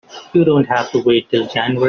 You don't have to wait till January.